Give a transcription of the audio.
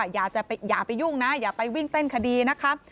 อย่าไปยุ่งนะอย่าไปวิ่งเต้นคดีนะคะ